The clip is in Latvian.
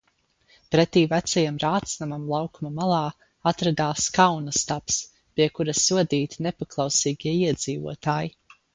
Pretī vecajam rātsnamam laukuma malā atradās Kauna stabs, pie kura sodīti nepaklausīgie iedzīvotāji.